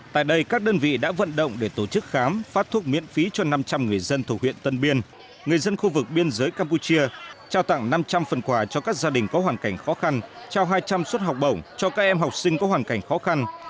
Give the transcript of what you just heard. tại đây các đơn vị đã vận động để tổ chức khám phát thuốc miễn phí cho năm trăm linh người dân thủ huyện tân biên người dân khu vực biên giới campuchia trao tặng năm trăm linh phần quà cho các gia đình có hoàn cảnh khó khăn trao hai trăm linh suất học bổng cho các em học sinh có hoàn cảnh khó khăn